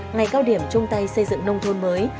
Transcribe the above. ngày cao điểm chung tay xây dựng nông thôn mới